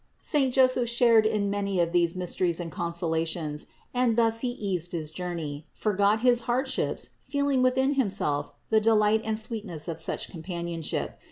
Saint Joseph shared in many of these mysteries and consolations; and thus he eased his jour ney, forgot his hardships, feeling within himself the 546 CITY OF GOD delight and sweetness of such companionship.